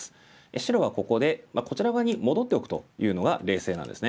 白はここでこちら側に戻っておくというのが冷静なんですね。